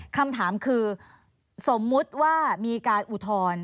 คำถามคือสมมุติว่ามีการอุทธรณ์